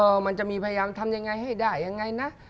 มันจะมีพยายามทำยังไงให้ได้ยังไงนะ